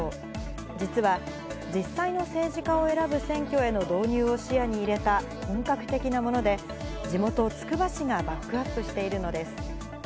実は、実際の政治家を選ぶ選挙への導入を視野に入れた本格的なもので、地元、つくば市がバックアップしているのです。